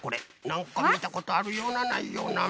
なんかみたことあるようなないような。